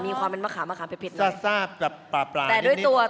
มันความมีมักขาเมืองแพ็ดหน่อย